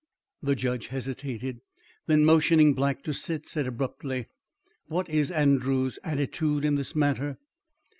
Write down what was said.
The judge hesitated, then motioning Black to sit, said abruptly: "What is Andrews' attitude in this matter?"